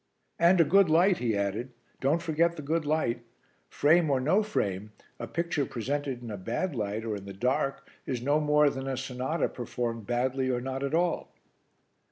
"And a good light," he added. "Don't forget the good light. Frame or no frame, a picture presented in a bad light or in the dark is no more than a sonata performed badly or not at all."